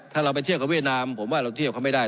ถ้าเราไปเที่ยวกับเวียดนามผมว่าเราเที่ยวเขาไม่ได้